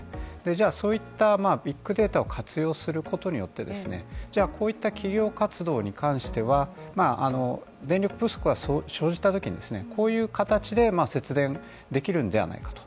じゃあ、そういったビッグデータを活用することによって、こういった企業活動に関しては電力コストが生じたときにこういう形で節電できるんじゃないかと。